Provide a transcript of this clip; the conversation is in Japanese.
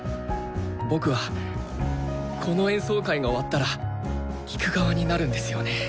僕はこの演奏会が終わったら「聴く側」になるんですよね。